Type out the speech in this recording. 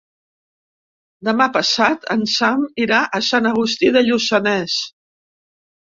Demà passat en Sam irà a Sant Agustí de Lluçanès.